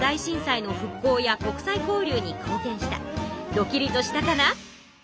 ドキリとしたかな？